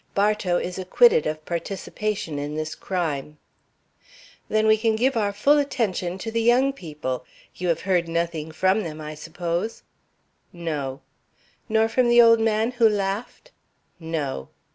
Bartow is acquitted of participation in this crime." "Then we can give our full attention to the young people. You have heard nothing from them, I suppose?" "No." "Nor from the old man who laughed?" "No."